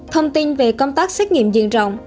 thông tin về công tác xét nghiệm dựng rộng